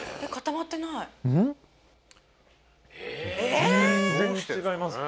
全然違います！